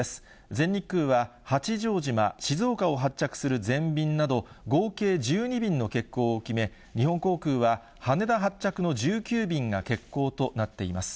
全日空は八丈島、静岡を発着する全便など、合計１２便の欠航を決め、日本航空は羽田発着の１９便が欠航となっています。